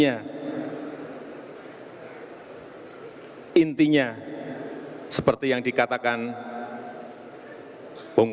mohon tetap berada di atas panggung